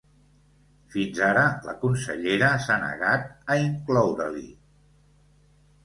Fins ara la consellera s’ha negat a incloure-l’hi.